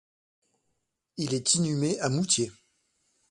Il est inhumé à Moûtiers.